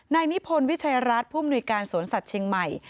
นิพนธ์วิชัยรัฐผู้มนุยการสวนสัตว์เชียงใหม่